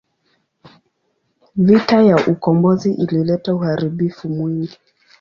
Vita ya ukombozi ilileta uharibifu mwingi.